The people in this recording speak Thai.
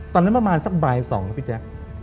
ตอนนั้นประมาณสักบ่าย๒นะพี่แจ๊ค